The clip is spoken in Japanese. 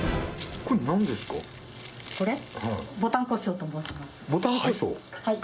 これなんですか？